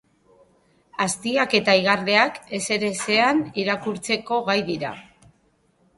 Aztiak eta igarleak ezerezean irakurtzeko gai dira.